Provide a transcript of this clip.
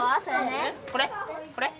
これ？